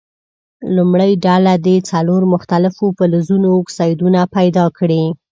لومړۍ ډله دې څلور مختلفو فلزونو اکسایدونه پیداکړي.